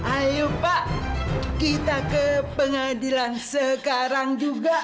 ayo pak kita ke pengadilan sekarang juga